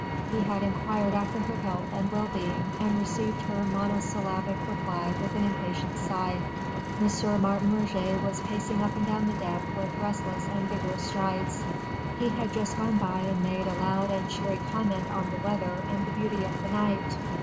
He had inquired after her health and well being and received her monosyllabic reply with an impatient sigh. M. Martin Roget was pacing up and down the deck with restless and vigorous strides: he had just gone by and made a loud and cheery comment on the weather and the beauty of the night.